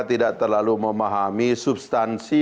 tidak terlalu memahami substansi